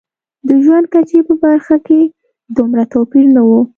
د ژوند کچې په برخه کې دومره توپیر نه و.